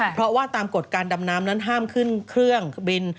เพราะว่าตามกฎการดำน้ำนั้นห้ามขึ้นเครื่องบิน